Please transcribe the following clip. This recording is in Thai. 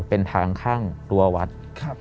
เป็นทางข้างรัววัด